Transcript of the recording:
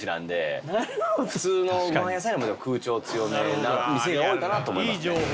普通のごはん屋さんよりも空調強めな店が多いかなと思いますね。